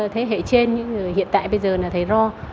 thế hệ trên hiện tại bây giờ là thầy ro